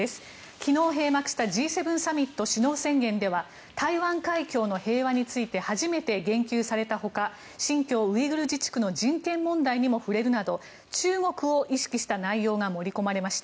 昨日閉幕したＧ７サミット首脳宣言では台湾海峡の平和について初めて言及されたほか新疆ウイグル自治区の人権問題にも触れるなど中国を意識した内容が盛り込まれました。